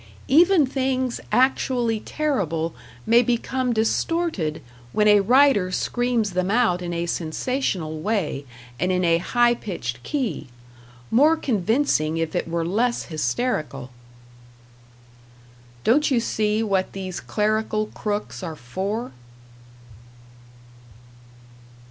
Even things actually terrible may become distorted when a writer screams them out in a sensational way and in a high pitched key.... More convincing if it were less hysterical. Don't you see what these clerical crooks are for?